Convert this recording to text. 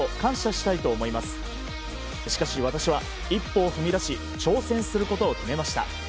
しかし私は一歩を踏み出し挑戦することを決めました。